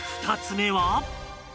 ２つ目は